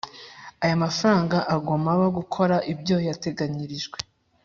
aya mafaranga agomaba gukora ibyo yateganyirijwe